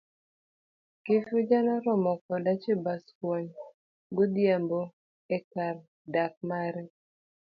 kifuja noromo koda Chebaskwony godhiambo ekar dak mare.